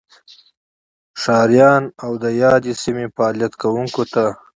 ښاریانو او دیادې سیمې فعالیت کوونکو ته